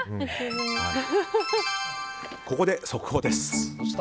ここで速報です。